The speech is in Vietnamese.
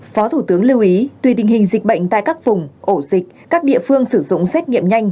phó thủ tướng lưu ý tùy tình hình dịch bệnh tại các vùng ổ dịch các địa phương sử dụng xét nghiệm nhanh